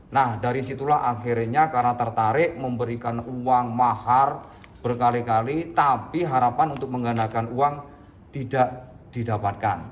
nah dari situlah akhirnya karena tertarik memberikan uang mahar berkali kali tapi harapan untuk menggandakan uang tidak didapatkan